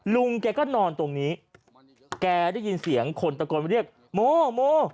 ลุงแกก็นอนตรงนี้แกได้ยินเสียงคนตะโกนมาเรียกโมโม